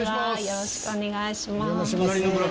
よろしくお願いします。